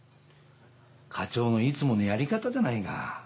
課長のいつものやり方じゃないか。